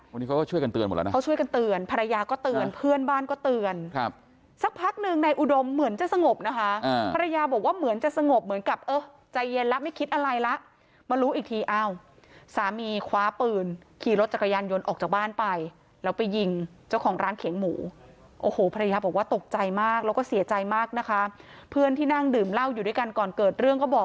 วันนี้เขาก็ช่วยกันเตือนหมดแล้วนะเขาช่วยกันเตือนภรรยาก็เตือนเพื่อนบ้านก็เตือนครับสักพักหนึ่งในอุดมเหมือนจะสงบนะคะภรรยาบอกว่าเหมือนจะสงบเหมือนกับเออใจเย็นแล้วไม่คิดอะไรละมารู้อีกทีเอ้าสามีคว้าปืนขี่รถจักรยานยนต์ออกจากบ้านไปแล้วไปยิงเจ้าของร้านเข็งหมู่โอ้โหภภรรยาบอกว่าตกใจมากแล้